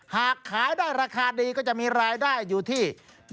หากขายได้ราคาดีก็จะมีรายได้อยู่ที่